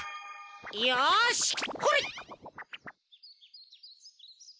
よしほれっ。